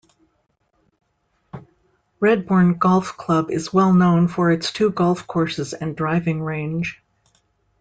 Redbourn Golf Club is well known for its two golf courses and driving range.